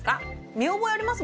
見覚えあります